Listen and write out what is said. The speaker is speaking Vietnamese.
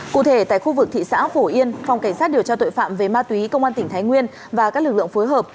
cụ thể tại khu vực thị xã phổ yên phòng cảnh sát điều tra tội phạm về ma túy công an tỉnh thái nguyên và các lực lượng phối hợp